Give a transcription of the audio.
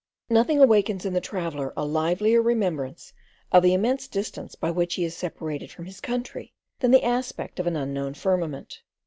Nothing awakens in the traveller a livelier remembrance of the immense distance by which he is separated from his country, than the aspect of an unknown firmament.